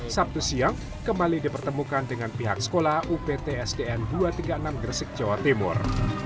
sabtu siang kembali dipertemukan dengan pihak sekolah upt sdn dua ratus tiga puluh enam gresik jawa timur